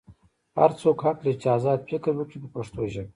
هر څوک حق لري چې ازاد فکر وکړي په پښتو ژبه.